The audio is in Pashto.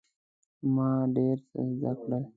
ما ډیر څه زده کړل.